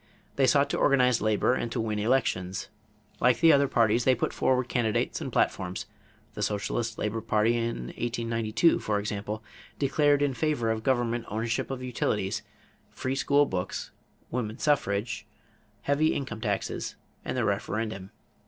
They sought to organize labor and to win elections. Like the other parties they put forward candidates and platforms. The Socialist Labor party in 1892, for example, declared in favor of government ownership of utilities, free school books, woman suffrage, heavy income taxes, and the referendum.